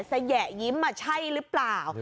แยะยิ้มมาใช่หรือเปล่า